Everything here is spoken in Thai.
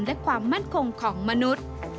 และความมั่นคงของมนุษย์